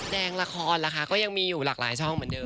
แดงละครล่ะคะก็ยังมีอยู่หลากหลายช่องเหมือนเดิ